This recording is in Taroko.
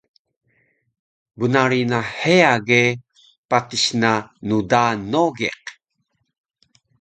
Bnaruy na heya ge patis na ndaan Nogiq